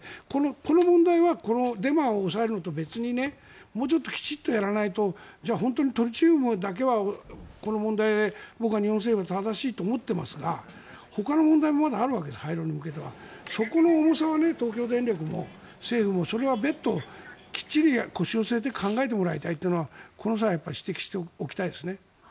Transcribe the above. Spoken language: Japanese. この問題はデマを抑えるのとは別にもうちょっときちんとやらないとじゃあ本当にトリチウムだけはこの問題で僕は日本政府が正しいと思っていますが廃炉に向けてはほかの問題もまだあるわけでそこの重さは東京電力も政府もそれは別途きっちり腰を据えて考えてもらいたいというのはこの際指摘しておきたいですね。